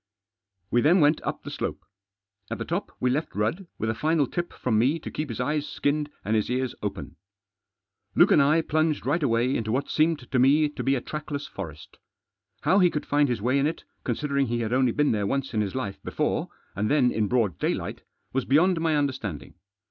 We then went up the slope. At the top we left Rudd, with a final tip from me to keep his eyes skinned, and his ears open. Luke and I plunged right away into what seemed to me to be a trackless forest. How he could find his way in it, considering he had Digitized by THE THRONE IN THE CENTRE. 24l only been there once in his life before, and then in broad daylight, was beyond my understanding.